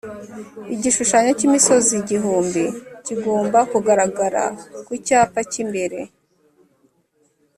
Igishushanyo cy’ imisozi igihumbi kigomba kugaragara ku cyapa cy’imbere